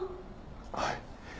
はい。